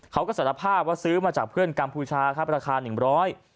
เขาก็สัญภาพว่าซื้อมาจากเพื่อนกัมพูชาครับราคา๑๐๐บาท